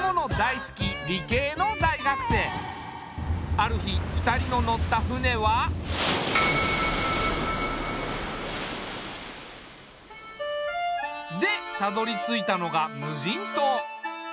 ある日２人の乗った船はでたどりついたのが無人島。